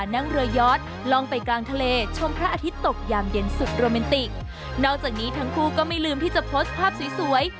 นอกจากนี้ทั้งคู่ก็ไม่ลืมที่จะโพสต์ภาพสวย